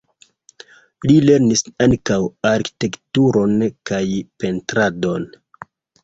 Li lernis ankaŭ arkitekturon kaj pentradon.